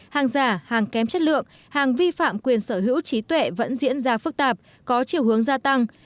hàng giả hàng kém chất lượng hàng vi phạm quyền sở hữu trí tuệ vẫn diễn ra phức tạp có chiều hướng gia tăng